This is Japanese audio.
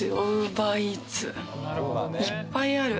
いっぱいある。